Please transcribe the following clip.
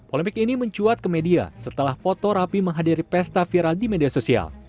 polemik ini mencuat ke media setelah foto rapi menghadiri pesta viral di media sosial